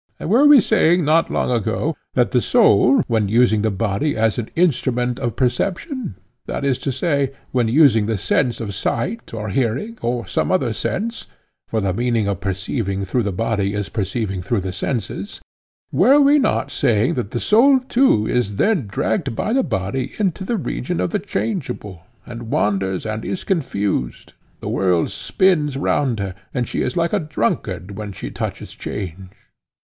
And were we not saying long ago that the soul when using the body as an instrument of perception, that is to say, when using the sense of sight or hearing or some other sense (for the meaning of perceiving through the body is perceiving through the senses)—were we not saying that the soul too is then dragged by the body into the region of the changeable, and wanders and is confused; the world spins round her, and she is like a drunkard, when she touches change?